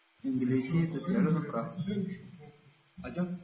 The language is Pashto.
انګلیسي د څېړنو پراخوالی زیاتوي